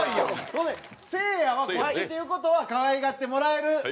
ほんでせいやはこっちっていう事は可愛がってもらえる。